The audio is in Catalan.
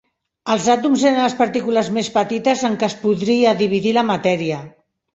Els àtoms eren les partícules més petites en què es podria dividir la matèria.